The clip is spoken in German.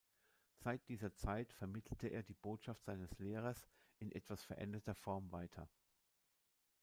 Seit dieser Zeit vermittelte er die Botschaft seines Lehrers in etwas veränderter Form weiter.